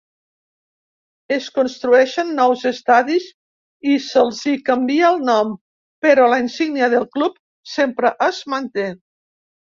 Es construeixen nous estadis i se'ls hi canvia el nom, però la insígnia del club sempre es manté.